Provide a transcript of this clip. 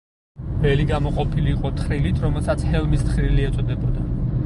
ველი გამოყოფილი იყო თხრილით, რომელსაც ჰელმის თხრილი ეწოდებოდა.